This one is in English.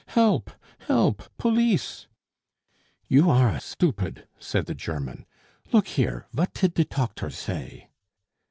"Help! help! police!" "You are a stoopid!" said the German. "Look here, vat tid de toctor say?"